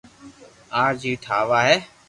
آج ھي ٺاوا ھي